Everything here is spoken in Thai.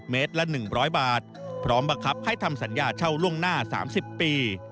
ละ๑๐๐บาทพร้อมบังคับให้ทำสัญญาเช่าล่วงหน้า๓๐ปี